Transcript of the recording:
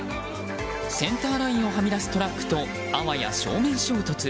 センターラインをはみ出すトラックとあわや正面衝突。